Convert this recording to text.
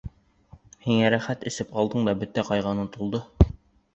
Һиңә рәхәт, эсеп алдың да, бөтә ҡайғың онотолдо.